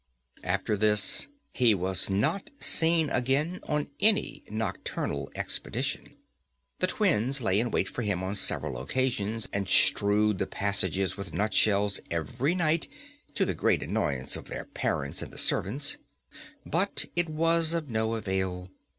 After this he was not seen again on any nocturnal expedition. The twins lay in wait for him on several occasions, and strewed the passages with nutshells every night to the great annoyance of their parents and the servants, but it was of no avail.